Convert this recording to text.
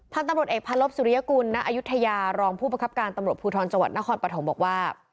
ท่านตำรวจเอกพันลบสุริยกุลณอายุทยารองผู้ประคับการตำรวจภูทรจังหวัดนครปฐมบอกว่า